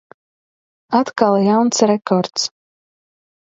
Atkal jauns rekords.